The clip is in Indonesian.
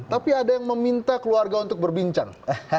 tapi ada yang meminta keluarga untuk berbincang